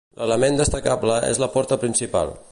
L'element destacable és la porta principal.